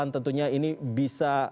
tentunya ini bisa